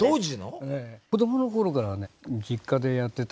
子供の頃からね実家でやってた。